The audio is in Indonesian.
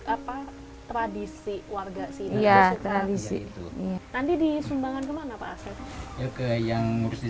apa tradisi warga iya tradisi itu nanti di sumbangan kemana pak asep yang ngurus di